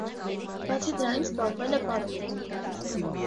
Բացի դրանից զբաղվել է պարով։